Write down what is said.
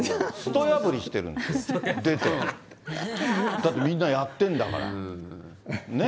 だってみんなやってんだから。ね？